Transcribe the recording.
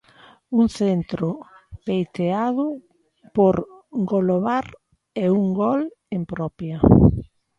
Un centro peiteado por Golobart e un gol en propia.